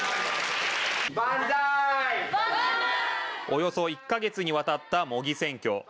およそ１か月にわたった模擬選挙。